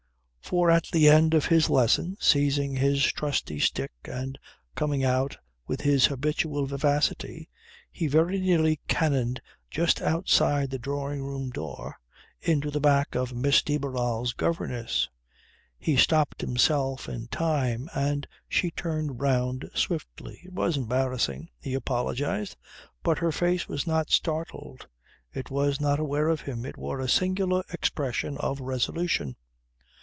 For, at the end of his lesson, seizing his trusty stick and coming out with his habitual vivacity, he very nearly cannoned just outside the drawing room door into the back of Miss de Barral's governess. He stopped himself in time and she turned round swiftly. It was embarrassing; he apologised; but her face was not startled; it was not aware of him; it wore a singular expression of resolution.